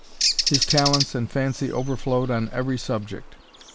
His talents and fancy overflowed on every subject.